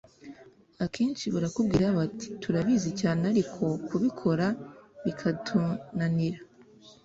akenshi barakubwira bati, turabizi cyane ariko kubikora bikatunanira